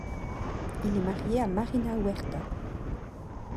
Il est marié à Marina Huerta.